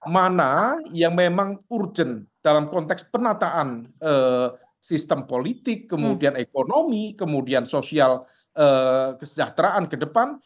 mana yang memang urgent dalam konteks penataan sistem politik kemudian ekonomi kemudian sosial kesejahteraan ke depan